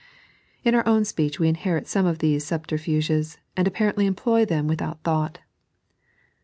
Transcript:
In our own speech we inherit some of these subterfuges, and apparently employ them without thought.